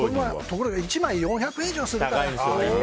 ところが１枚４００円以上するんですよ。